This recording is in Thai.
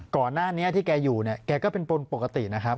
ก่อนหน้าที่แกอยู่แกก็เป็นปกตินะครับ